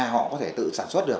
họ có thể tự sản xuất được